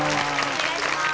お願いします。